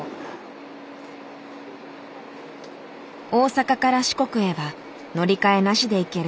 大阪から四国へは乗り換えなしで行ける